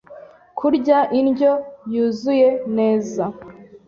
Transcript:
kurya indyo yuzuye neza